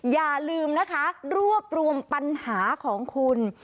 อย่าลืมนะคะรวบรวมปัญหาของคุณ